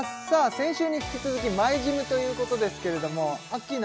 先週に引き続きＭｙＧｙｍということですけれどもアッキーナ